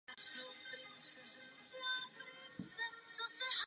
Trenérské práci se začal věnoval již v průběhu své sportovní kariéry.